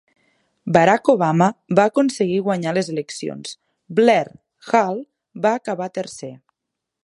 Barack Obama va aconseguir guanyar les eleccions, Blair Hull va acabar tercer.